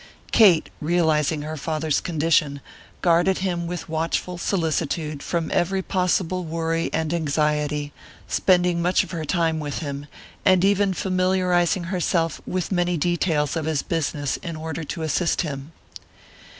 Kate, realizing her father's condition, guarded him with watchful solicitude from every possible worry and anxiety, spending much of her time with him, and even familiarizing herself with many details of his business in order to assist him.